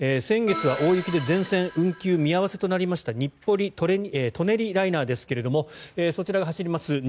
先月は大雪で全線運転見合わせとなりました日暮里・舎人ライナーですがそちらが走ります